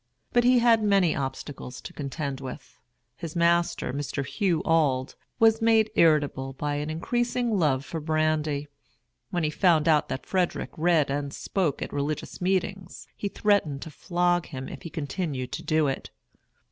But he had many obstacles to contend with. His master, Mr. Hugh Auld, was made irritable by an increasing love for brandy. When he found out that Frederick read and spoke at religious meetings, he threatened to flog him if he continued to do it.